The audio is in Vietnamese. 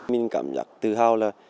mình cảm nhận tự hào là